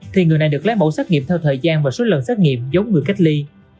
thì người này được lấy mẫu xét nghiệm theo thời gian và số lần xét nghiệm giống người cách ly